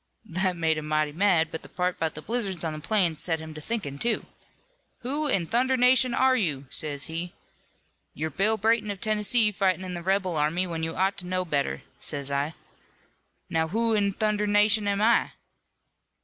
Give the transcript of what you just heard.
"That made him mighty mad, but the part 'bout the blizzards on the plains set him to thinkin', too. 'Who in thunderation are you?' sez he. 'You're Bill Brayton, of Tennessee, fightin' in the rebel army, when you ought to know better,' says I. 'Now, who in thunderation am I?'